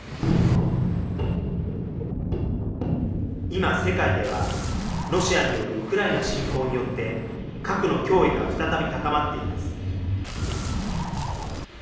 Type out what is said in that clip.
今、世界ではロシアによるウクライナ侵攻によって核の脅威が再び高まっています。